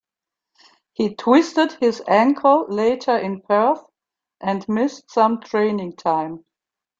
He twisted his ankle later in Perth and missed some training time.